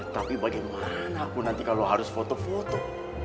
tapi bagaimana aku nanti kalau harus foto foto